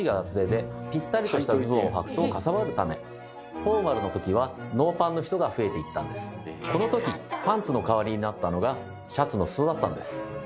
フォーマルのときはこのときパンツの代わりになったのがシャツの裾だったんです。